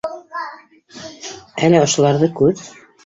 Әле ошоларҙы күҙ